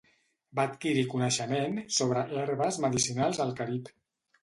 Va adquirir coneixement sobre herbes medicinals al Carib.